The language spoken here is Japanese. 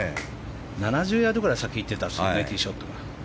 ７０ヤードくらい先に行ってましたよねティーショットが。